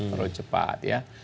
perlu cepat ya